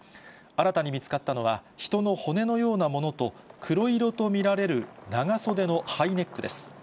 新たに見つかったのは、人の骨のようなものと、黒色と見られる長袖のハイネックです。